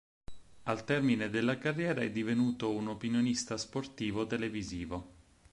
Al termine della carriera è divenuto un opinionista sportivo televisivo.